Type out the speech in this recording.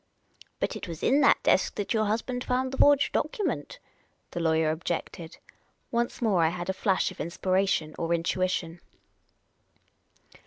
" But it was in that desk that your husband found the forged document," the lawyer objected. Once more I had a flash of inspiration or intuition.